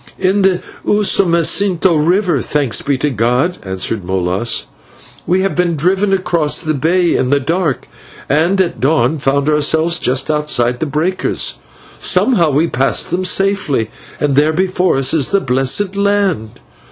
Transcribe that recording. "In the Usumacinto river, thanks be to God!" answered Molas. "We have been driven across the bay in the dark, and at the dawn found ourselves just outside the breakers. Somehow we passed them safely, and there before us is the blessed land."